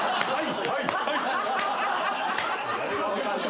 ・はい！